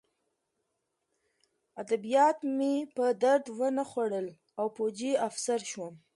ادبیات مې په درد ونه خوړل او پوځي افسر شوم